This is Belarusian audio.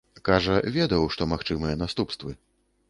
Кажа, ведаў, што магчымыя наступствы.